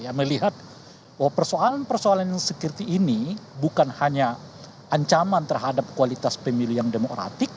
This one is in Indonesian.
ya melihat bahwa persoalan persoalan yang seperti ini bukan hanya ancaman terhadap kualitas pemilu yang demokratik